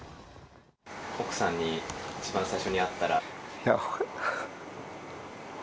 奥さんに一番最初に会ったら？